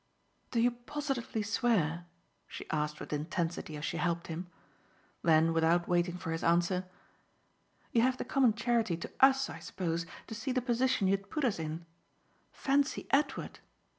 "Do you positively swear?" she asked with intensity as she helped him. Then without waiting for his answer: "You have the common charity to US, I suppose, to see the position you'd put us in. Fancy Edward!"